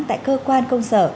tại cơ quan công sở